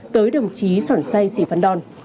tới đồng chí sỏn sai sĩ phan đòn